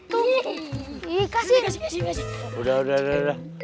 kasih kasih kasih